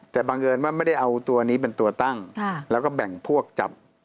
แต่บังเอิญว่าไม่ได้เอาตัวนี้เป็นตัวตั้งแล้วก็แบ่งพวกจับ